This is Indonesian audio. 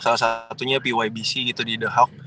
salah satunya pybc gitu di the hawk